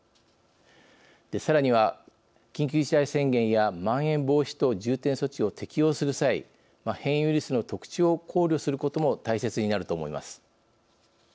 さらには緊急事態宣言やまん延防止等重点措置を適用する際変異ウイルスの特徴を考慮することも大切になると思います。